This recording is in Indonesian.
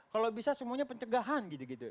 kalau bisa semuanya pencegahan gitu gitu